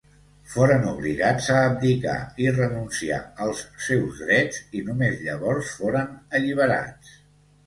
Foren obligats a abdicar i renunciar als seus drets i només llavors foren alliberats.